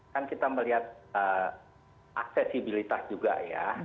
kan kita melihat aksesibilitas juga ya